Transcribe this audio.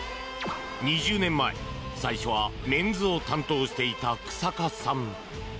２０年前、最初はメンズを担当していた日下さん。